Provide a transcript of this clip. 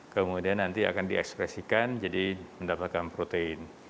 kemudian nanti akan diekspresikan jadi mendapatkan protein